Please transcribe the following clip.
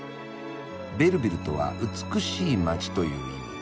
「ベルヴィルとは美しい街という意味。